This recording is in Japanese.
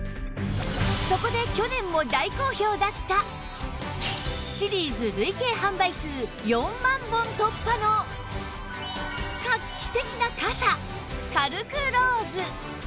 そこで去年も大好評だったシリーズ累計販売数４万本突破の画期的な傘カルクローズ